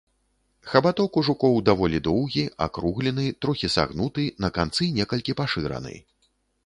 Хабаток ў жукоў даволі доўгі, акруглены, трохі сагнуты, на канцы некалькі пашыраны.